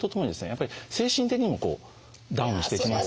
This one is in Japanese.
やっぱり精神的にもダウンしてきますんで。